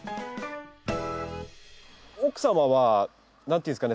奥様は何て言うんですかね